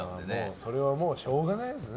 それはもうしょうがないですね。